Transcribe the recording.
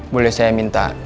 boleh saya minta